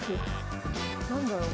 何だろう？